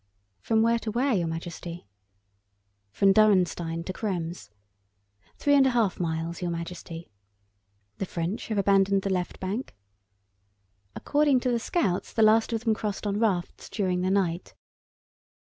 "From where to where, Your Majesty?" "From Dürrenstein to Krems." "Three and a half miles, Your Majesty." "The French have abandoned the left bank?" "According to the scouts the last of them crossed on rafts during the night."